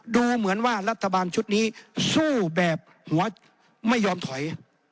ดูเหมือนว่ารัฐบาลชุดนี้สู้แบบหัวไม่ยอมถอย